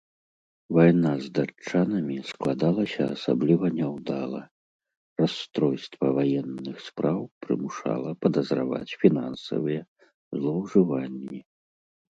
Вайна з датчанамі складалася асабліва няўдала, расстройства ваенных спраў прымушала падазраваць фінансавыя злоўжыванні.